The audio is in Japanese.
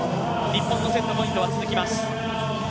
日本のセットポイントは続きます。